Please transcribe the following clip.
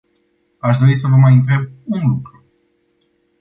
Aș dori să vă mai întreb un lucru.